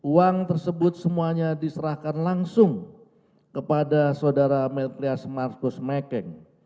uang tersebut semuanya diserahkan langsung kepada saudara melkleas marcus mekeng